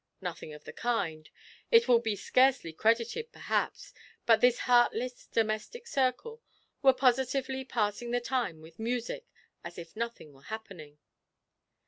Nothing of the kind: it will be scarcely credited, perhaps, but this heartless domestic circle were positively passing the time with music, as if nothing were happening!